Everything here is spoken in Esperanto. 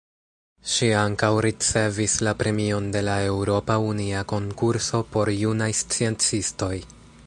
Ŝi ankaŭ ricevis la Premion de la Eŭropa Unia Konkurso por Junaj Sciencistoj.